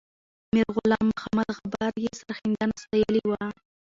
میرغلام محمد غبار به یې سرښندنه ستایلې وه.